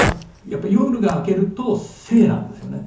やっぱり夜が明けると生なんですよね。